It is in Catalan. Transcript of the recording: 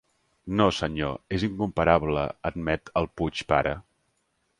No senyor, és incomparable —admet el Puig pare—.